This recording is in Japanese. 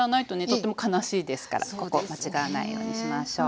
とっても悲しいですからここ間違わないようにしましょう。